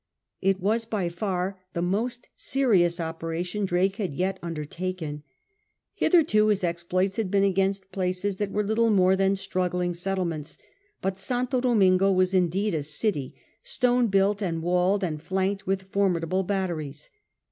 It was by far the most serious operation Drake had yet under taken. Hitherto his exploits had been against places that were little more than struggling settlements, but St. Domingo was indeed a city, stone built and walled and flanked with formidable batteries.